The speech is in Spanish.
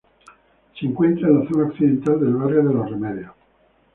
Se encuentra en la zona occidental del barrio de Los Remedios.